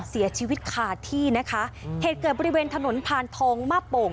เสียชีวิตคาที่นะคะเหตุเกิดบริเวณถนนพานทองมาโป่ง